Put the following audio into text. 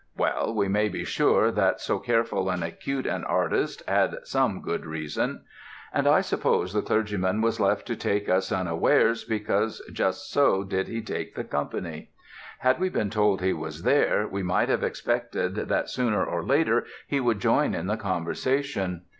Well, we may be sure that so careful and acute an artist had some good reason. And I suppose the clergyman was left to take us unawares because just so did he take the company. Had we been told he was there, we might have expected that sooner or later he would join in the conversation.